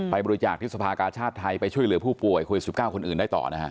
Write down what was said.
บริจาคที่สภากาชาติไทยไปช่วยเหลือผู้ป่วยโควิด๑๙คนอื่นได้ต่อนะฮะ